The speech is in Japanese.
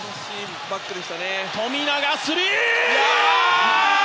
富永、スリー！